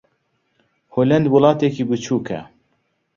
ھۆلەند وڵاتێکی بچووکە.